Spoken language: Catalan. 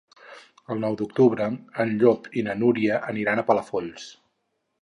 El nou d'octubre en Llop i na Núria aniran a Palafolls.